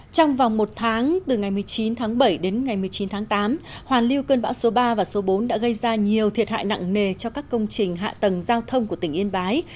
trong vòng một tháng từ ngày một mươi chín tháng bảy đến ngày một mươi chín tháng tám hoàn lưu cơn bão số ba và số bốn đã gây ra nhiều thiệt hại nặng nề cho các công trình hạ tầng giao thông của tỉnh yên bái